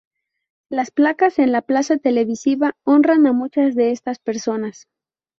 Las placas en la Plaza Televisa honran a muchas de estas personas.